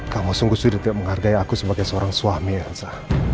kamu sungguh sudah tidak menghargai aku sebagai suami ya elsa